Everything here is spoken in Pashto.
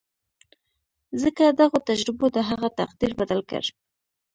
ځکه دغو تجربو د هغه تقدير بدل کړ.